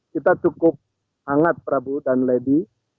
kita cukup hangat prabu dan lady